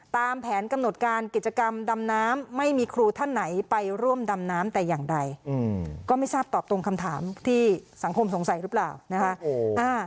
ตามแผนกำหนดการกิจกรรมดำน้ำไม่มีครูท่านไหนไปร่วมดำน้ำแต่อย่างใดก็ไม่ทราบตอบตรงคำถามที่สังคมสงสัยหรือเปล่านะคะ